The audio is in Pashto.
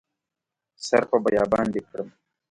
سر په بیابان دې کړم